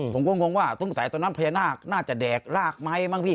ผมก็งงว่าสงสัยตรงนั้นพญานาคน่าจะแดกรากไหมมั้งพี่